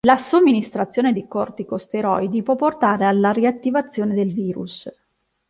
La somministrazione di corticosteroidi può portare alla riattivazione del virus.